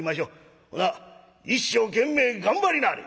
ほな一生懸命頑張りなはれ！」。